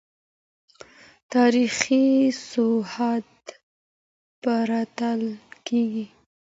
تاريخي سواهد پرتله کيږي.